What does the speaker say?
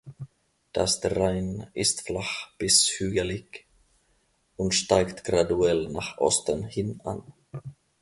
Das Terrain ist flach bis hügelig und steigt graduell nach Osten hin an.